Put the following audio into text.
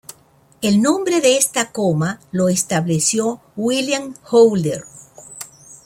El nombre de esta coma lo estableció William Holder.